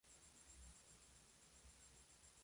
Se llama "El árbol de la col".